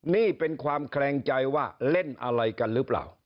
นี่เป็นความแคลงใจว่าเล่นอะไรกันหรือเปล่า